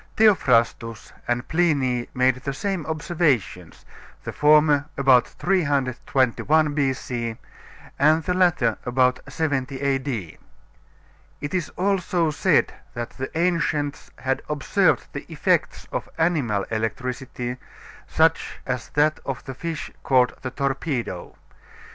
Theophrastus and Pliny made the same observations; the former about 321 B.C., and the latter about 70 A.D. It is also said that the ancients had observed the effects of animal electricity, such as that of the fish called the torpedo.